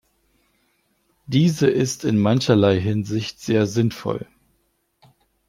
Diese ist in mancherlei Hinsicht sehr sinnvoll.